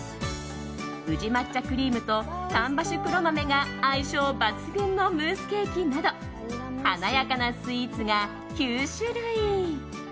宇治抹茶クリームと丹波種黒豆が相性抜群のムースケーキなど華やかなスイーツが９種類。